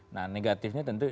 nah negatifnya tentu